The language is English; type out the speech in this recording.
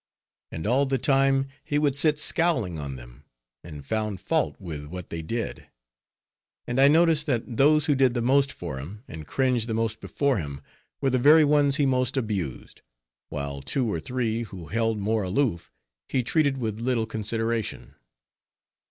And all the time, he would sit scowling on them, and found fault with what they did; and I noticed, that those who did the most for him, and cringed the most before him, were the very ones he most abused; while two or three who held more aloof, he treated with a little consideration.